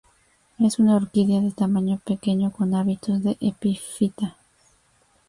Es una orquídea de tamaño pequeño, con hábitos de epífita.